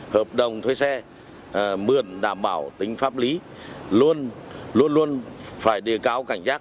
hợp đồng thuê xe mượn đảm bảo tính pháp lý luôn luôn phải đề cao cảnh giác